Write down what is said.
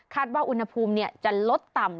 คาดว่าอุณหภูมิเนี่ยจะลดต่ำ